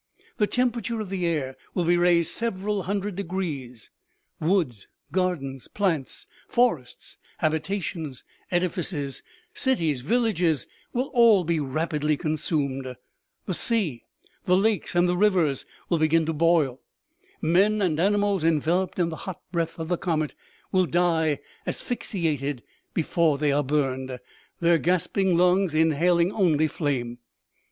The temperature of the air will be raised several hundred de grees ; woods, gardens, plants, forests, habitations, edifices, cities, villages, will all be rapidly consumed ; the sea, the lakes and the rivers will begin to boil ; men and animals, enveloped in the hot breath of the comet, will die asphyx iated before they are burned, their gasping lungs inhaling only flame.